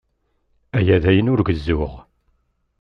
Aya d ayen ur gezzuɣ.